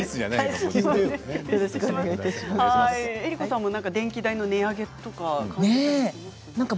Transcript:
江里子さんも電気代の値上げとか感じますか？